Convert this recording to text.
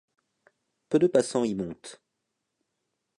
peu de passants y montent.